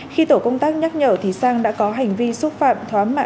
khi tổ công tác nhắc nhở thì sang đã có hành vi xúc phạm thoá mạ